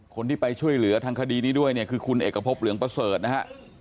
คนที่ไปช่วยเหลือทางคดีนี้ด้วยเนี่ยคือคุณเอกพบเหลืองประเสริฐนะฮะ